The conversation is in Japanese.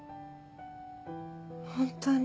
本当に？